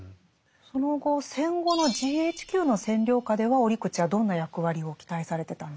その後戦後のＧＨＱの占領下では折口はどんな役割を期待されてたんですか？